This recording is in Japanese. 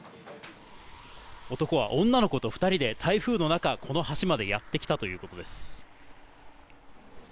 男は女の子と２人で台風の中、この橋までやって来たいうことです。